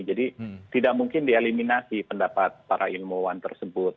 jadi tidak mungkin dieliminasi pendapat para ilmuwan tersebut